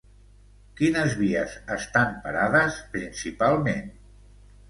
Quines vies estan parades, principalment?